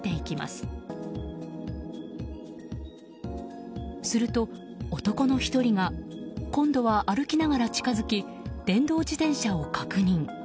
すると、男の１人が今度は歩きながら近づき電動自転車を確認。